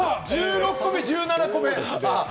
１６個目、１７個目。